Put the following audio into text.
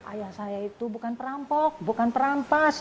ayah saya itu bukan perampok bukan perampas